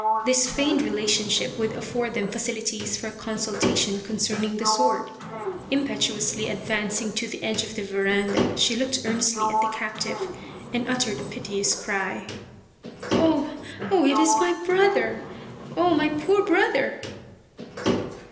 This feigned relationship would afford them facilities for consultation concerning the sword. Impetuously advancing to the edge of the veranda, she looked earnestly at the captive and uttered a piteous cry :" Oh, oh ! it is my brother ! Oh ! my poor brother